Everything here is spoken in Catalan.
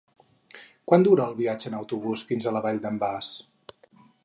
Quant dura el viatge en autobús fins a la Vall d'en Bas?